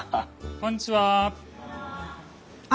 こんにちは。